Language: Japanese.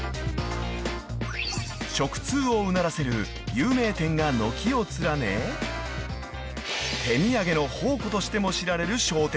［食通をうならせる有名店が軒を連ね手みやげの宝庫としても知られる商店街です］